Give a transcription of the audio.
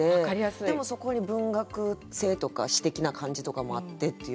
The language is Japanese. でもそこに文学性とか詩的な感じとかもあってっていう。